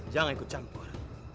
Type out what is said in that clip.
jangan ikut campur